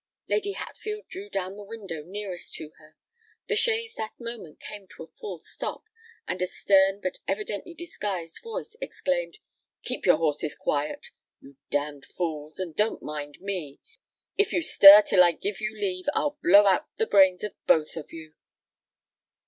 Lady Hatfield drew down the window nearest to her: the chaise that moment came to a full stop; and a stern, but evidently disguised voice exclaimed, "Keep your horses quiet, you damned fools—and don't mind me! If you stir till I give you leave, I'll blow out the brains of both of you."